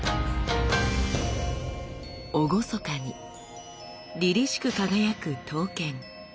厳かにりりしく輝く刀剣。